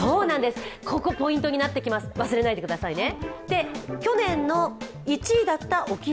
ここ、ポイントになってきます、忘れないでくださいね。